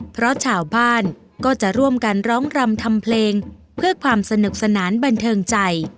เพราะชาวบ้านก็จะร่วมกันร้องรำทำเพลงเพื่อความสนุกสนานบันเทิงใจ